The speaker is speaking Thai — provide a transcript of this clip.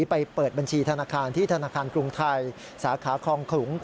ไปเปิดบัญชีธนาคารที่ธนาคารกรุงไทยสาขาคลองขลุง